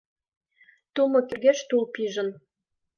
Тумо кӧргеш тул пижын